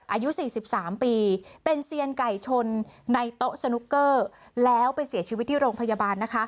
อายุ๔๓ปีเป็นเซียนไก่ชนในโต๊ะสนุกเกอร์แล้วไปเสียชีวิตที่โรงพยาบาลนะคะ